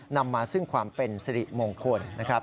นำมาซึ่งความเป็นสิริมงคลนะครับ